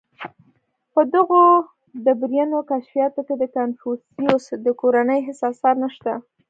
• په دغو ډبرینو کشفیاتو کې د کنفوسیوس د کورنۍ هېڅ آثار نهشته.